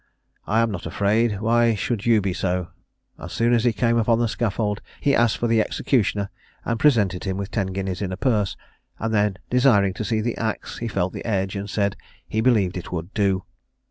I am not afraid; why should you be so?" As soon as he came upon the scaffold, he asked for the executioner, and presented him with ten guineas in a purse, and then, desiring to see the axe, he felt the edge, and said, "he believed it would do."